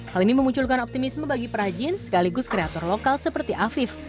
hal ini memunculkan optimisme bagi perajin sekaligus kreator lokal seperti afif